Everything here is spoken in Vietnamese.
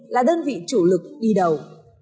là đơn vị chủ lực đi đầu